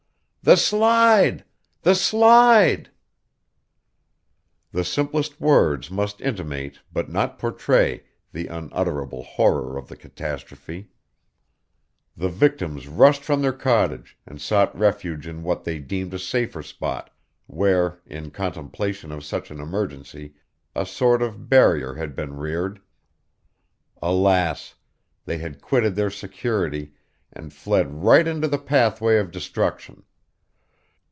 'The Slide! The Slide!' The simplest words must intimate, but not portray, the unutterable horror of the catastrophe. The victims rushed from their cottage, and sought refuge in what they deemed a safer spot where, in contemplation of such an emergency, a sort of barrier had been reared. Alas! they had quitted their security, and fled right into the pathway of destruction.